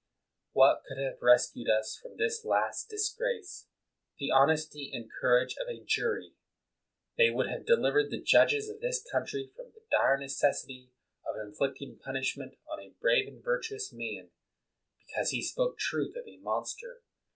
What could have rescued us from this last disgrace? The honesty and courage of a jury. They would have delivered the judges of this country from the dire necessity of inflicting punishment on a brave and \irtuous man, because he spoke truth of a monster.